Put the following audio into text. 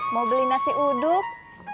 mau beli nasi uduk